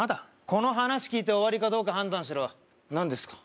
この話聞いて終わりかどうか判断しろ何ですか？